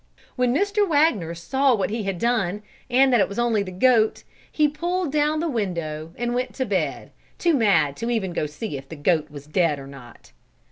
When Mr. Wagner saw what he had done, and that it was only the goat, he pulled down the window, and went to bed, too mad to even go to see if the goat was dead or not.